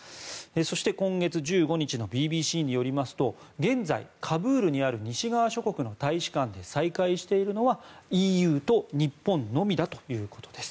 そして、今月１５日のＢＢＣによりますと現在、カブールにある西側諸国の大使館で再開しているのはＥＵと日本のみだということです。